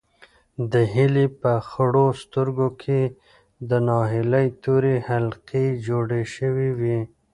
د هیلې په خړو سترګو کې د ناهیلۍ تورې حلقې جوړې شوې وې.